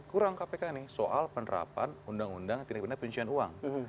kurang kpk ini soal penerapan undang undang tindakan penyusunan uang